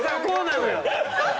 こうなのよ。